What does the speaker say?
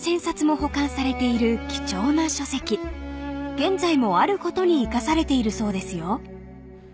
［現在もあることに生かされているそうですよ］